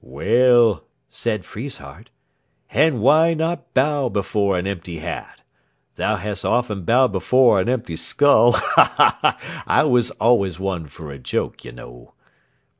"Well," said Friesshardt, "and why not bow before an empty hat? Thou hast oft bow'd before an empty skull. Ha, ha! I was always one for a joke, yer know."